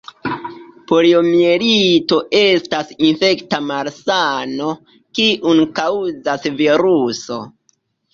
Poliomjelito estas infekta malsano, kiun kaŭzas viruso.